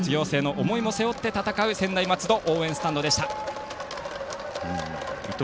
卒業生の夢も背負って戦う専大松戸応援スタンドでした。